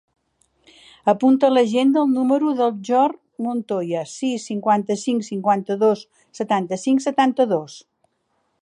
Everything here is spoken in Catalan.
Apunta a l'agenda el número del Bjorn Montoya: sis, cinquanta-cinc, cinquanta-dos, setanta-cinc, setanta-dos.